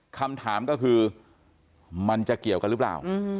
คำถามก็คือมันจะเกี่ยวกันหรือเปล่า